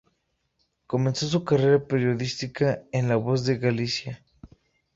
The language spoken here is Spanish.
Comenzó su carrera periodística en "La Voz de Galicia".